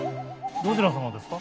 どちら様ですか？